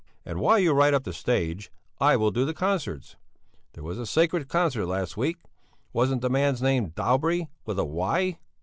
And while you write up the stage, I will do the concerts. There was a sacred concert last week. Wasn't the man's name Daubry? With a 'y'?"